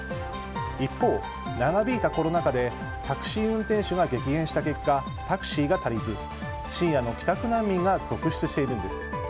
一方、長引いたコロナ禍でタクシー運転手が激減した結果、タクシーが足りず深夜の帰宅難民が続出しているんです。